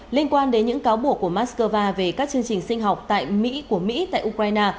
liên quan đến những cáo buộc của moscow về các chương trình sinh học tại mỹ của mỹ tại ukraine